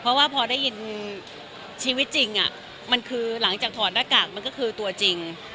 เพราะว่าพอได้ยินชีวิตจริงมันคือหลังจากถอดหน้ากากมันก็คือตัวจริง